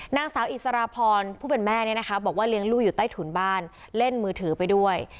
นางสาวอิสรพรผู้เป็นแม่เนี่ยนะคะบอกว่าเลี้ยงลูกอยู่ใต้ถุนบ้านเล่นมือถือไปด้วย